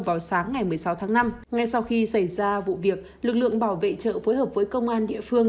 vào sáng ngày một mươi sáu tháng năm ngay sau khi xảy ra vụ việc lực lượng bảo vệ chợ phối hợp với công an địa phương